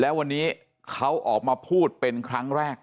แล้ววันนี้เขาออกมาพูดเป็นครั้งแรก